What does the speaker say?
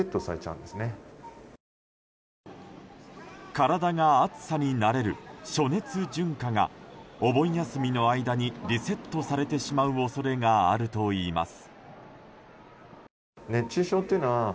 体が暑さに慣れる暑熱順化がお盆休みの間にリセットされてしまう恐れがあるといいます。